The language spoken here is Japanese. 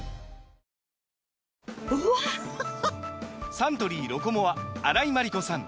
サントリー「ロコモア」荒井眞理子さん